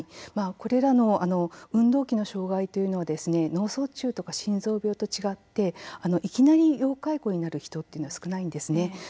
これらの運動器の障害というのは脳卒中とか心臓病と違っていきなり要介護になる人というのは少ないんですね。